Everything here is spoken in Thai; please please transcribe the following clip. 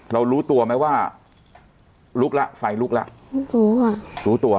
เรารู้ตัวไหมว่าลุกละไฟลุกละรู้อ่ะรู้ตัว